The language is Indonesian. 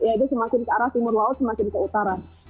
yaitu semakin ke arah timur laut semakin ke utara